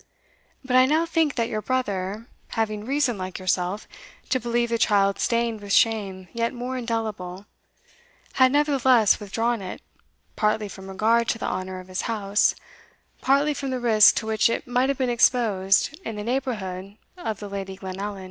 But I now think that your brother, having reason, like yourself, to believe the child stained with shame yet more indelible, had nevertheless withdrawn it, partly from regard to the honour of his house, partly from the risk to which it might have been exposed in the neighbourhood of the Lady Glenallan."